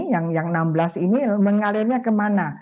yang enam belas ini mengalirnya kemana